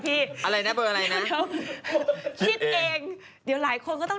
พี่มดดำบอกเลข๕มาแรง